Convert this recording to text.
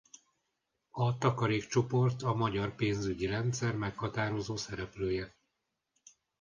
A Takarék Csoport a magyar pénzügyi rendszer meghatározó szereplője.